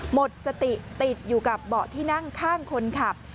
หมดสติติดอยู่กับเบาะที่นั่งข้างคนขับ